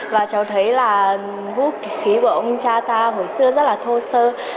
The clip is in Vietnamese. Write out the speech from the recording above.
và cháu thấy là vũ khí của ông cha ta hồi xưa rất là thô sơ